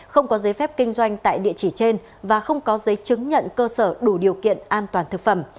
không có giấy phép kinh doanh tại địa chỉ trên và không có giấy chứng nhận cơ sở đủ điều kiện an toàn thực phẩm